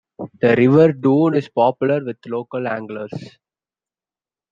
The River Doon is popular with local anglers.